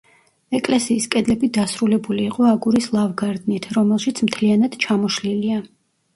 ეკლესიის კედლები დასრულებული იყო აგურის ლავგარდნით, რომელშიც მთლიანად ჩამოშლილია.